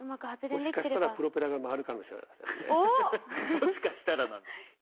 もしかしたらなんですか。